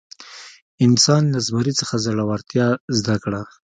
انسان له زمري څخه زړورتیا زده کړه.